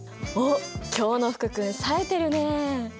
おっ今日の福君さえてるね。